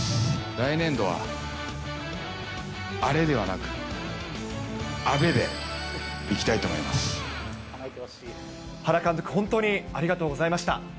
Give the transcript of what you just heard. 来年度はアレではなく、原監督、本当にありがとうございました。